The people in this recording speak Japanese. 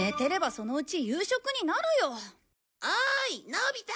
のび太！